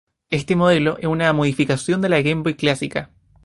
Este modelo es una modificación de la Game Boy clásica.